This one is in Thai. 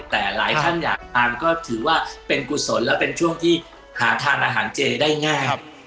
แต่หลายท่านอยากทานก็ถือว่าเป็นกุศลและเป็นช่วงที่หาทานอาหารเจได้ง่าย